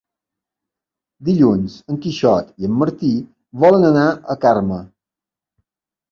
Dilluns en Quixot i en Martí volen anar a Carme.